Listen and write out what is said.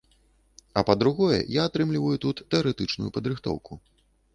А па-другое, я атрымліваю тут тэарэтычную падрыхтоўку.